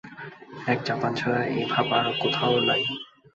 এক জাপান ছাড়া এ ভাব আর কোথাও নাই।